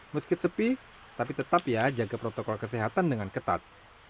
meski sepi tapi tetap ya jaga protokol kesehatan dengan ketat